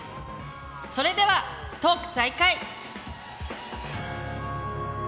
それではトーク再開。